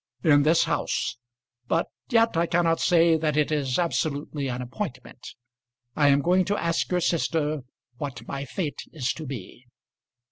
"In this house. But yet I cannot say that it is absolutely an appointment. I am going to ask your sister what my fate is to be."